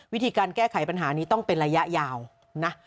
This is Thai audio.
วิธีการแก้ไขปัญหานี้ต้องเป็นระยะยาวนะ